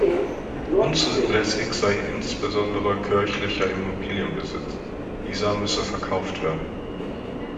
Unzulässig sei insbesondere kirchlicher Immobilienbesitz; dieser müsse verkauft werden.